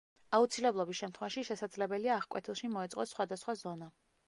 აუცილებლობის შემთხვევაში შესაძლებელია აღკვეთილში მოეწყოს სხვადასხვა ზონა.